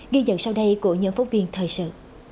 ghi nhận sau đây của nhân phóng viên thời sự